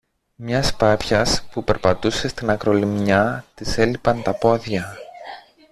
Μιας πάπιας που περπατούσε στην ακρολιμνιά της έλειπαν τα πόδια